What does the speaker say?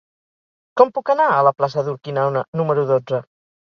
Com puc anar a la plaça d'Urquinaona número dotze?